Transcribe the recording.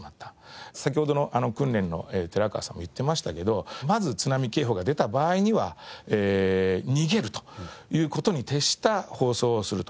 先ほどのあの訓練の寺川さんも言ってましたけどまず津波警報が出た場合には逃げるという事に徹した放送をすると。